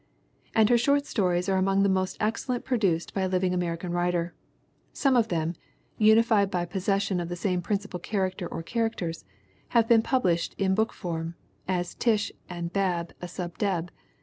And her short stories are among the most excellent produced by a living Ameri can writer. Some of them, unified by possession of the same principal character or characters, have been published in book form, as Tish and Bab, a Sub Deb.